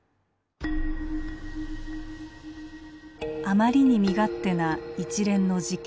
あまりに身勝手な一連の事件。